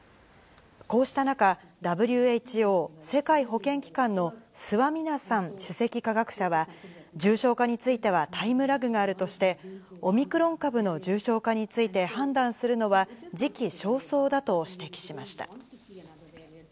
こうした中、ＷＨＯ・世界保健機関のスワミナサン首席科学者は、重症化についてはタイムラグがあるとして、オミクロン株の重症化について判断するのは時期尚早だと指摘しました。